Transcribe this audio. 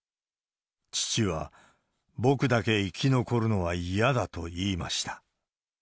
父は、僕だけ生き残るのは嫌だと言いました。